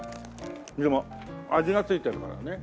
でも味がついてるからね。